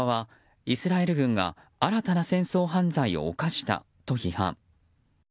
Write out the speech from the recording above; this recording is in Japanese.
ハマス側はイスラエル軍が新たな戦争犯罪を犯したと批判。